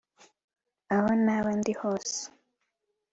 aho naba ndi hose